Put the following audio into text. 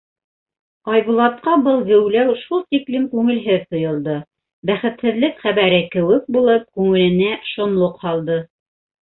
Айбулатҡа был геүләү шул тиклем күңелһеҙ тойолдо, бәхетһеҙлек хәбәре кеүек булып, күңеленә шомлоҡ һалды.